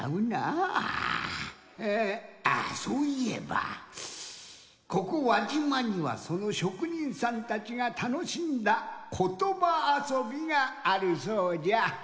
えぇあそういえばここ輪島にはそのしょくにんさんたちがたのしんだことばあそびがあるそうじゃ。